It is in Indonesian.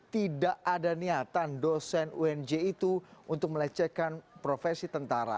tidak ada niatan dosen unj itu untuk melecehkan profesi tentara